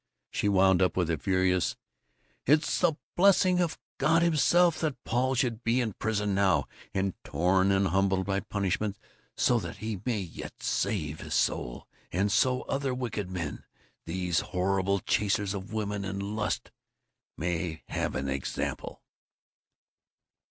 She wound up with a furious: "It's the blessing of God himself that Paul should be in prison now, and torn and humbled by punishment, so that he may yet save his soul, and so other wicked men, these horrible chasers after women and lust, may have an example."